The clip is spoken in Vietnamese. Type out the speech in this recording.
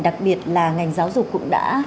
đặc biệt là ngành giáo dục cũng đã